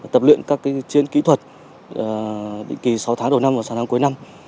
tập luyện các chiến kỹ thuật định kỳ sáu tháng đầu năm và sáu tháng cuối năm